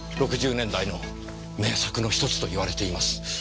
６０年代の名作の１つと言われています。